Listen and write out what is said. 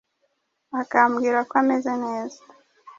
akambwira ko ameze neza